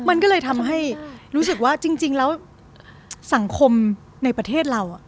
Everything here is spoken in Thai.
มันก็เลยทำให้รู้สึกว่าจริงแล้วสังคมในประเทศเรา